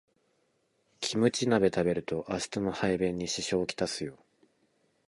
キムチ鍋食べると明日の排便に支障をきたすよ